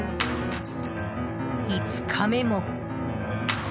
５日目も。